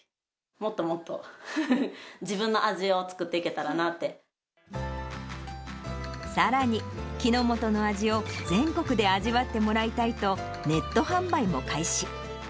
もっともっと、自分の味を作ってさらに、木之本の味を全国で味わってもらいたいと、ネット販売も開始。